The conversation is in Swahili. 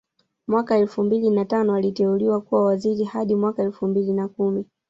Mwaka elfu mbili na tano aliteuliwa kuwa waziri hadi mwaka elfu mbili na kumi